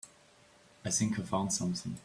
I think I found something.